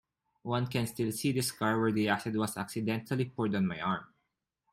One can still see the scar where the acid was accidentally poured on my arm.